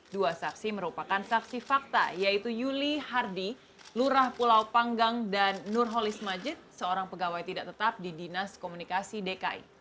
dua saksi merupakan saksi fakta yaitu yuli hardi lurah pulau panggang dan nurholis majid seorang pegawai tidak tetap di dinas komunikasi dki